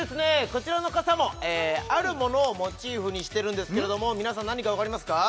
こちらの傘もあるものをモチーフにしてるんですけれども皆さん何かわかりますか？